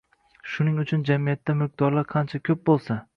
Shuning uchun jamiyatda mulkdorlar qancha ko‘p bo‘lsa